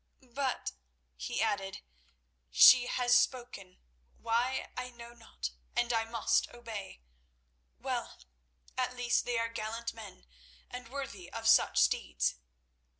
"But," he added, "she has spoken—why, I know not—and I must obey. Well, at least they are gallant men and worthy of such steeds.